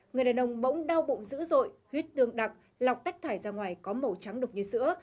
người đàn ông bỗng đau bụng dữ dội huyết tương đặng lọc tách thải ra ngoài có màu trắng đục như sữa